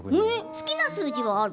好きな数字はある？